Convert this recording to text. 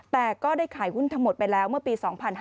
แต่ก็ได้ขายหุ้นทั้งหมดไปแล้วเมื่อปี๒๕๕๙